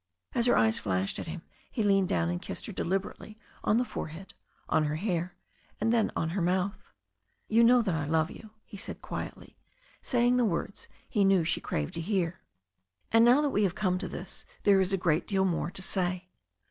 As her eyes flashed at him he leaned down and kissed her deliberately on the forehead, on her hair, and then on her mouth. "You know that I love you," he said quietly, saying the words he knew she craved to hear. "And now that we have come to this, there is a great deal more to say."